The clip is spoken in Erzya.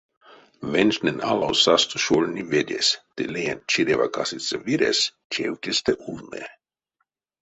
Венчтнень ало састо шольни ведесь ды леенть чирева касыця виресь чевтестэ увны.